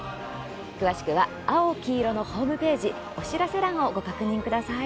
詳しくは「あおきいろ」のホームページお知らせ欄をご確認ください。